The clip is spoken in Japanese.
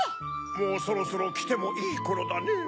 もうそろそろきてもいいころだねぇ。